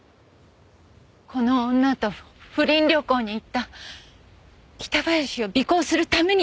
この女と不倫旅行に行った北林を尾行するためにですけどね。